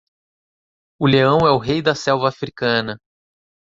O leão é o rei da selva africana